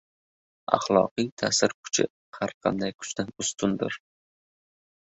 Axloqiy ta’sir kuchi har qanday kuchdan ustundir.